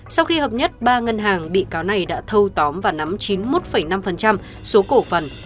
sau khi hợp nhất ba ngân hàng bị cáo này đã thâu tóm và nắm chín mươi một năm số cổ phần